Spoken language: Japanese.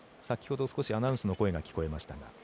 先ほど、少しアナウンスの声が聞こえましたが。